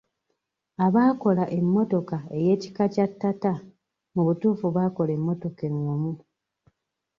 Abaakola emmotoka ey'ekika kya Tata mu butuufu baakola emmotoka engumu.